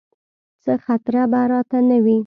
څه خطره به راته نه وي.